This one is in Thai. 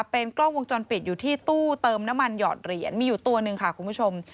เป็นกล้องวงจรปิดอยู่ที่ตู้เติมน้ำมันหอดเหรียญมีอยู่ตัวหนึ่งค่ะคุณผู้ชม